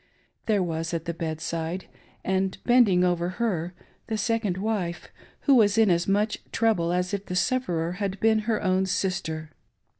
There was, at the bedside, and bending over her, the second wife, who was in as much trouble as if the sufferer had been her own sister.